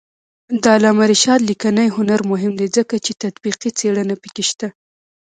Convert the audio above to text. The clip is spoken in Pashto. د علامه رشاد لیکنی هنر مهم دی ځکه چې تطبیقي څېړنه پکې شته.